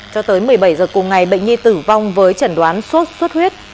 cho tới một mươi bảy giờ cùng ngày bệnh nhi tử vong với trần đoán sốt xuất huyết